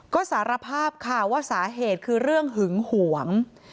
ก็สารภาพค่ะว่าสาเหตุคือเรื่องหึงหวง